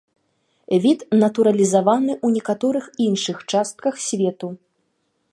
Від натуралізаваны ў некаторых іншых частках свету.